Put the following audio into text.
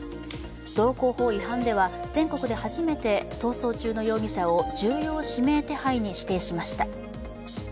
道交法違反では全国で初めて逃走中の容疑者を重要指名手配に指定しました。